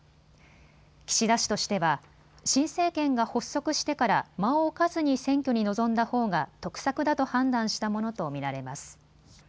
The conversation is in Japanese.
岸田氏としては新政権が発足してから間を置かずに選挙に臨んだほうが得策だと判断したものと見られます。